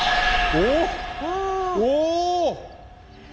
おお！